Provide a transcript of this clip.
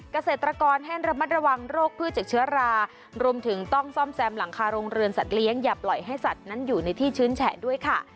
เกษตรกรให้ระมัดระวังโรคพืชจากเชื้อรารวมถึงต้องซ่อมแซมหลังคาโรงเรือนสัตว์อย่าปล่อยให้สัตว์นั้นอยู่ในที่ชื้นแฉะด้วยค่ะ